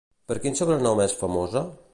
Per quin sobrenom és famosa?